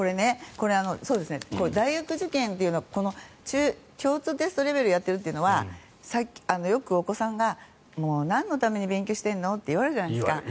大学受験っていうのは共通テストレベルをやっているっていうのはよくお子さんがなんのために勉強しているの？って言われるじゃないですか。